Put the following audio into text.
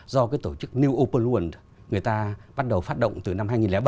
do cái tổ chức new open world người ta bắt đầu phát động từ năm hai nghìn bảy